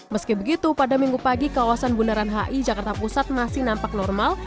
meski begitu pada minggu pagi kawasan bundaran hi jakarta pusat masih nampak normal